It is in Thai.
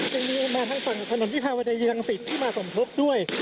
ยังมีมาทั้งฝั่งถนนวิพาวฤดานืีลังศิษฐ์ที่มาสมมติด้วย